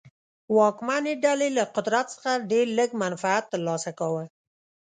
واکمنې ډلې له قدرت څخه ډېر لږ منفعت ترلاسه کاوه.